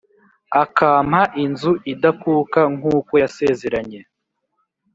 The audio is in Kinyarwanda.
akampa inzu idakuka nk’uko yasezeranye